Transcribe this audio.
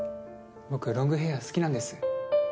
僕、ロングヘア好きなんですよ。